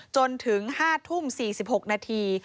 จนถึง๕ทุ่ม๔๖นาที